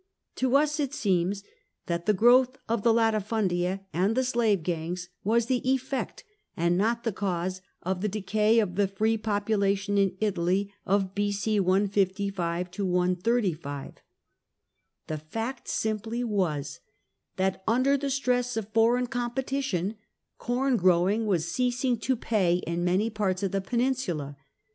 To us it seems that the growth of the latifmidia and the slave gangs was the effect, and not the cause, of the decay of the free population in the Italy of B.o. 155 135. B is TIBERIUS GRACCHUS The fact simply was that under the stress of foreign com petition corn growing was ceasing to pay in many parts of the peninsuia.